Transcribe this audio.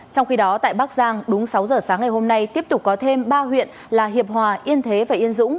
trong khi đó tại bắc giang đúng sáu giờ sáng ngày hôm nay tiếp tục có thêm ba huyện là hiệp hòa yên thế và yên dũng